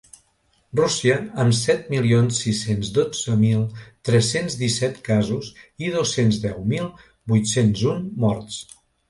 Rússia, amb set milions sis-cents dotze mil tres-cents disset casos i dos-cents deu mil vuit-cents un morts.